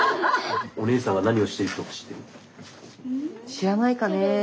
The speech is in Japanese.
知らないかね。